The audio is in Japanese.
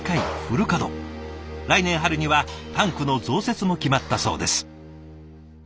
来年春にはタンクの増設も決まったそうです。